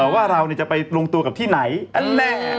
ว่าเราจะไปลงตัวกับที่ไหนอันแน่